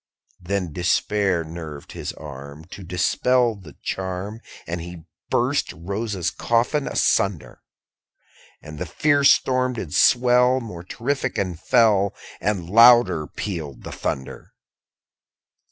_75 14. Then despair nerved his arm To dispel the charm, And he burst Rosa's coffin asunder. And the fierce storm did swell More terrific and fell, _80 And louder pealed the thunder.